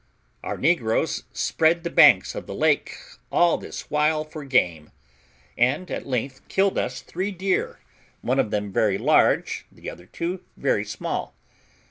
Our negroes spread the banks of the lake all this while for game, and at length killed us three deer, one of them very large, the other two very small.